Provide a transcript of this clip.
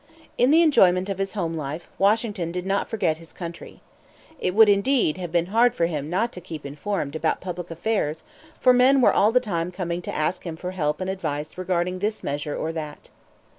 In the enjoyment of his home life, Washington did not forget his country. It would, indeed, have been hard for him not to keep informed about public affairs; for men were all the time coming to him to ask for help and advice regarding this measure or that.